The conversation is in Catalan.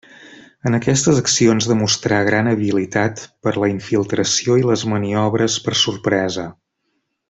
En aquestes accions demostrà gran habilitat per la infiltració i les maniobres per sorpresa.